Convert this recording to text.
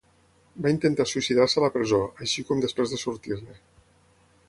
Va intentar suïcidar-se a la presó, així com després de sortir-ne.